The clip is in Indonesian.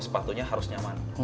sepatunya harus nyaman